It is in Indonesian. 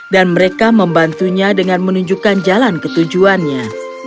dan mereka membantunya dengan menunjukkan jalan ketujuannya